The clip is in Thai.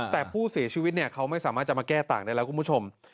แต่ผู้เสียชีวิตเขาไม่สามารถจะมาแก้ต่างได้แล้วคุณผู้ชม